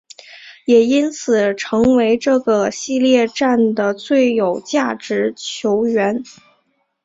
也因此成为这个系列战的最有价值球员。